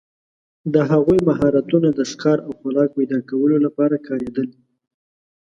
د هغوی مهارتونه د ښکار او خوراک پیداکولو لپاره کارېدل.